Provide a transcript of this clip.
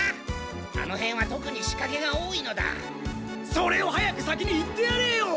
それを早く先に言ってやれよ！